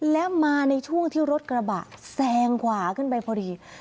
และมาในช่วงที่รถกระบะแซงขวาขึ้นไปพอดี